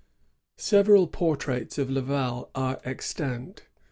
Several portraits of Laval are extant.